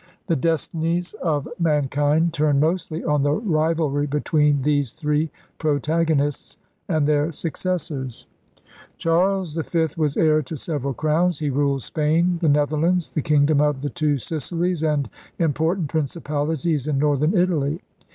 The destinies of KING HENRY VIII 23 mankind turned mostly on the rivalry between these three protagonists and their successors. Charles V was heir to several crowns. He ruled Spain, the Netherlands, the Kingdom of the Two Sicilies, and important principalities in northern Italy.